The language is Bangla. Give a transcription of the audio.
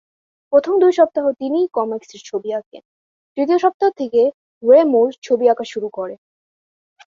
প্রথম দুই সপ্তাহ তিনিই কমিকসের ছবি আঁকেন, তৃতীয় সপ্তাহ থেকে রে মুর ছবি আঁকা শুরু করেন।